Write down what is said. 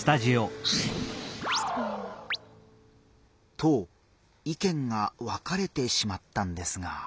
と意見が分かれてしまったんですが。